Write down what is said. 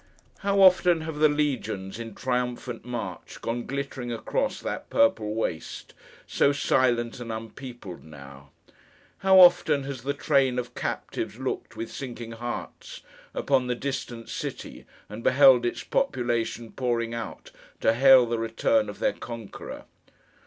How often have the Legions, in triumphant march, gone glittering across that purple waste, so silent and unpeopled now! How often has the train of captives looked, with sinking hearts, upon the distant city, and beheld its population pouring out, to hail the return of their conqueror!